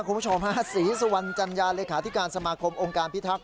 คุณผู้ชมฮะศรีสุวรรณจัญญาเลขาธิการสมาคมองค์การพิทักษ